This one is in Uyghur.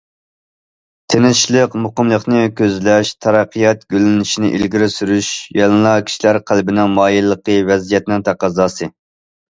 تىنچلىق، مۇقىملىقنى كۆزلەش، تەرەققىيات، گۈللىنىشنى ئىلگىرى سۈرۈش يەنىلا كىشىلەر قەلبىنىڭ مايىللىقى، ۋەزىيەتنىڭ تەقەززاسى.